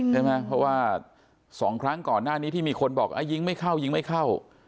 ใช่ไหมเพราะว่า๒ครั้งก่อนหน้านี้ที่มีคนบอกยิงไม่เข้ายิงไม่เข้า